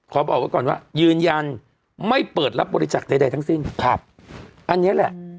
บอกไว้ก่อนว่ายืนยันไม่เปิดรับบริจาคใดทั้งสิ้นครับอันนี้แหละ